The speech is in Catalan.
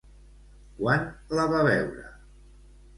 Quan la va veure?